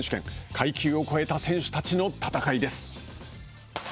階級を超えた選手たちの戦いです。